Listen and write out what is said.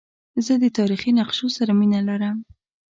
زه د تاریخي نقشو سره مینه لرم.